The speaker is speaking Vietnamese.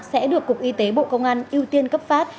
sẽ được cục y tế bộ công an ưu tiên cấp phát